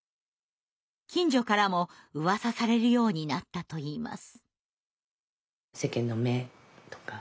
近所からもうわさされるようになったといいます。